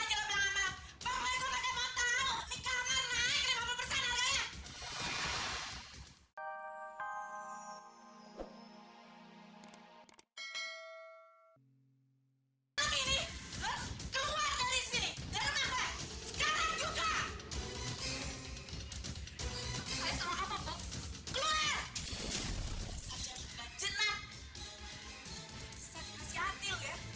ini keluar dari sini